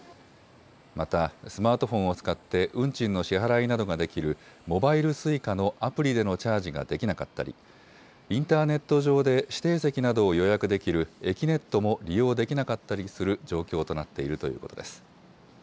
またスマートフォンを使って運賃の支払いなどができるモバイルＳｕｉｃａのアプリでのチャージができなかったりインターネット上で指定席などを予約できるえきねっとも利用できなかったりする状況となっているということです。